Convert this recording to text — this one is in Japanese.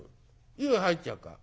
湯入っちゃうか？